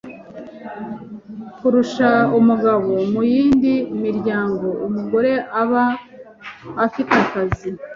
kurusha umugabo Mu yindi miryango umugore aba afite akazi